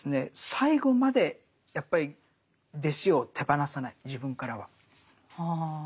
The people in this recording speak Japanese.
最後までやっぱり弟子を手放さない自分からは。